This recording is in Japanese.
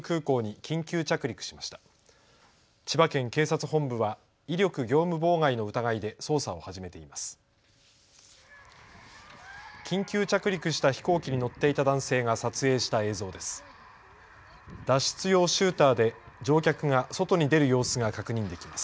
緊急着陸した飛行機に乗っていた男性が撮影した映像です。